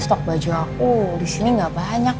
stok baju aku disini gak banyak